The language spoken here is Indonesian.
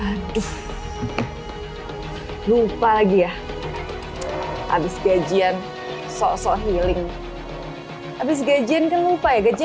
aduh lupa lagi ya abis gajian sok sok healing habis gajian kan lupa ya gaji